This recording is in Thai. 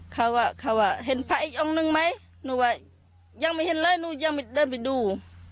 เขาว่าเขาว่าเห็นพระอีกองค์นึงไหมหนูว่ายังไม่เห็นเลยหนูยังไม่เดินไปดู